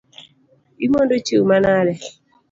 Imondo chiewo wa manade?